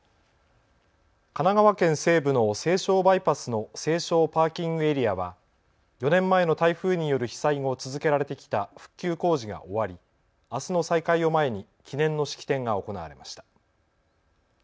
神奈川県西部の西湘バイパスの西湘パーキングエリアは４年前の台風による被災後、続けられてきた復旧工事が終わりあすの再開を前に記念の式典が行われました。